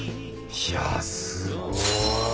いやすごい。